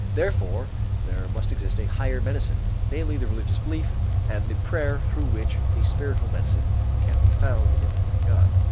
Therefore there must exist a higher medicine, namely, the religious belief and the prayer through which the spiritual medicine can be found in the word of God."